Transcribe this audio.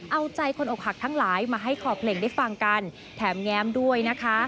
เอาใจคนอกหักทั้งหลายมาให้คอเพลงได้ฟังกันแถมแง้มด้วยนะคะ